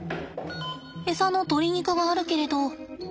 エサの鶏肉があるけれど。